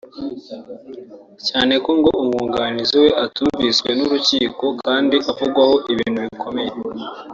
cyane ko ngo umwunganizi we atumviswe n’urukiko kandi avugwaho ibintu bikomeye